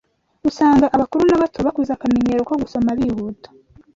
usanga abakuru n’abato bakuza akamenyero ko gusoma bihuta